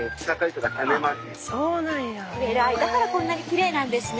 だからこんなにきれいなんですね。